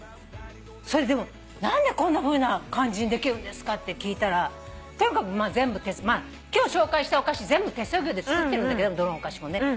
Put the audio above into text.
それででも何でこんなふうな感じにできるんですかって聞いたらとにかく全部手作業今日紹介したお菓子全部手作業で作ってるんだけどどのお菓子もね。